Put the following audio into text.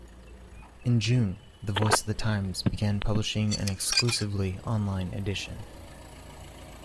In June, the "Voice of the Times" began publishing an exclusively online edition.